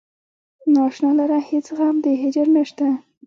نا اشنا لره هیڅ غم د هجر نشته.